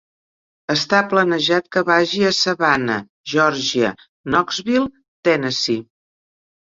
Està planejat que vagi de Savannah, Georgia, a Knoxville, Tennessee.